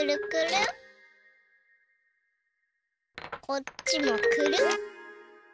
こっちもくるん。